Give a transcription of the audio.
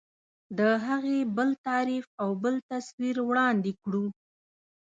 د هغې بل تعریف او بل تصویر وړاندې کړو.